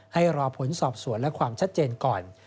ให้รอผลสอบสวนและความชัดเจนก่อน